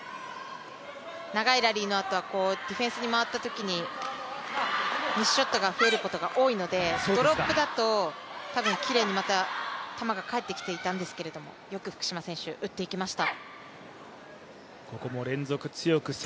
長いラリーのあとはディフェンスに回ったときにミスショットが増えることが多いので、ドロップだとたぶんきれいにまた球が返ってきていたんですけど、よく福島選手、打っていきました。